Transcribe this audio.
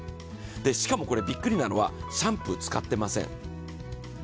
しかも、びっくりなのはシャンプー使ってません。